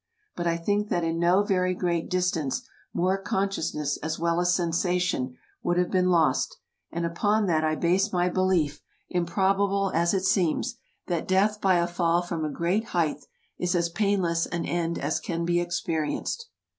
But I think that in no very great distance more consciousness as well as sensation would have been lost, and upon that I base my belief, improbable as it seems, that death by a fall from a great height is as painless an end as can be experienced.